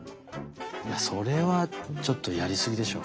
いやそれはちょっとやりすぎでしょう。